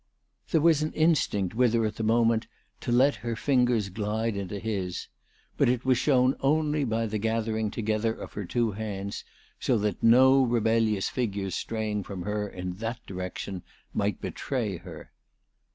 There was an instinct with her at the moment to let her fingers glide into his ; but it was shown only by the gathering together of her two hands, so that no rebellious fingers straying from her in that direction might betray her.